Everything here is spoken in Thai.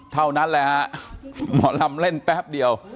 เท่านั้นแหละฮะหมอลำเล่นแป๊บเดียว